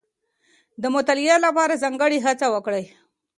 د مطالعې لپاره ځانګړې هڅه وکړئ.